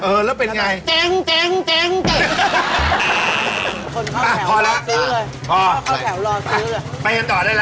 เออแล้วเป็นยังไง